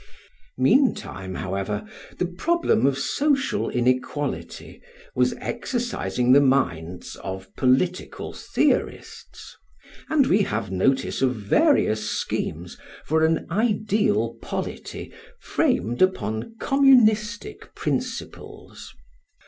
Meantime, however, the problem of social inequality was exercising the minds of political theorists; and we have notice of various schemes for an ideal polity framed upon communistic principles.